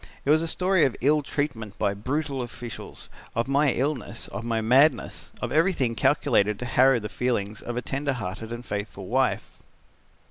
It was a story of ill treatment by brutal officials, of my illness, of my madness, of everything calculated to harrow the feelings of a tender hearted and faithful wife.